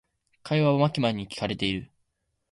会話はマキマに聞かれている。